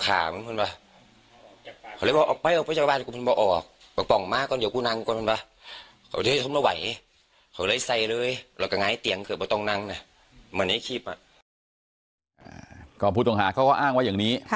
กล่องผู้ตรงหาเขาก็อ้างไว้อย่างนี้